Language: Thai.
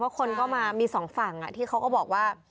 คนก็มามีสองฝั่งที่เขาก็บอกว่า